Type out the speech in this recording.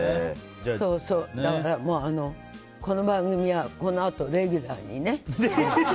だから、この番組はこのあとレギュラーにね。